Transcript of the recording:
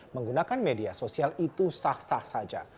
menggunakan media sosial itu sah sah saja